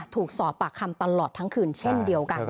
ถูกสอบปากคำตลอดทั้งคืนเช่นเดียวกัน